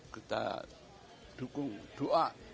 kita dukung doa